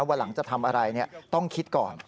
วันหลังจะทำอะไรต้องคิดก่อน